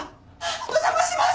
お邪魔します！